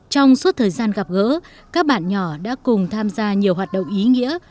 trong suốt thời gian gặp gỡ các bạn nhỏ đã cùng tham gia nhiều hoạt động ý nghĩa